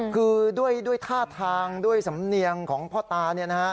คือด้วยท่าทางด้วยสำเนียงของพ่อตาเนี่ยนะฮะ